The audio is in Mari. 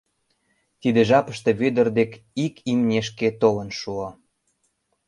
Тиде жапыште Вӧдыр дек ик имнешке толын шуо.